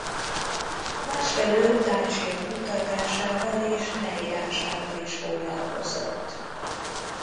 Másfelől Dácia kutatásával és leírásával is foglalkozott.